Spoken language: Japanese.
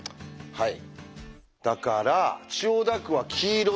はい。